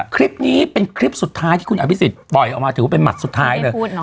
คลิปนี้เป็นคลิปสุดท้ายที่คุณอภิษฎปล่อยออกมาถือว่าเป็นหมัดสุดท้ายเลย